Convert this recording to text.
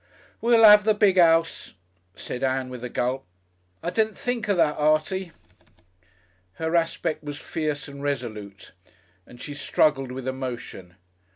"We'll 'ave the big 'ouse," said Ann, with a gulp. "I didn't think of that, Artie." Her aspect was fierce and resolute, and she struggled with emotion.